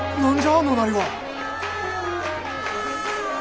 あのなりは。